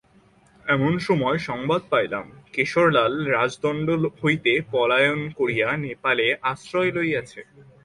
এমনসময় সংবাদ পাইলাম, কেশরলাল রাজদণ্ড হইতে পলায়ন করিয়া নেপালে আশ্রয় লইয়াছে।